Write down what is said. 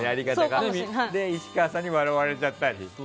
石川さんに笑われちゃったり。